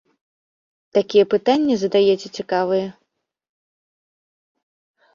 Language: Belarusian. Такія пытанні задаеце цікавыя!